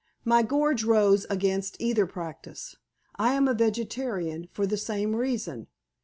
My gorge rose against either practice. I am a vegetarian, for the same reason.